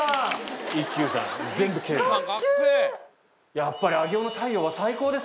やっぱり。